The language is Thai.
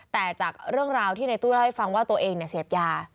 แต่จากเรื่องราวที่ในตู้เล่าให้ฟังว่าตัวเองเสพยา